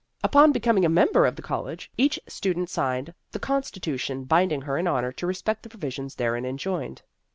Upon becoming a member of the college, each student signed the con stitution binding her in honor to respect the provisions therein enjoined.